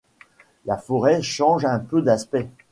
La forêt change un peu d’aspect.